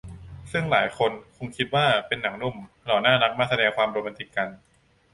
ซึ่งหลายคนคงคิดว่าคงเป็นหนังหนุ่มหล่อน่ารักมาแสดงความโรแมนติกกัน